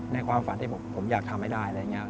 ในความฝันที่ผมอยากทำให้ได้